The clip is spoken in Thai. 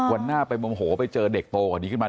วันหน้าไปโมโหไปเจอเด็กโตกว่านี้ขึ้นมา